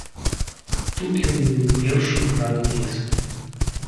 Тут ён мінуў першую граду лесу.